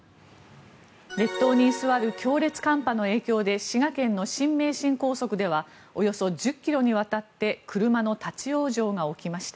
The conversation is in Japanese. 列島に居座る強烈寒波の影響で滋賀県の新名神高速ではおよそ１０ｋｍにわたって車の立ち往生が起きました。